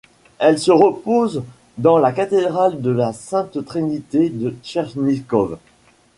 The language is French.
Il repose dans la cathédrale de la Sainte-Trinité de Tchernigov.